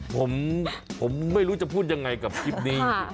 ผมไม่รู้จะพูดยังไงกับคลิปนี้